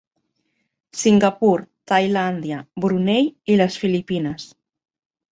Singapur, Tailàndia, Brunei i les Filipines.